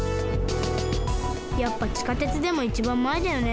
やっぱ地下鉄でもいちばんまえだよね。